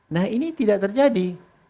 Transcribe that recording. nah ini tidak terjadi